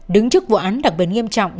đứng trước vụ án đặc biệt nghiêm trọng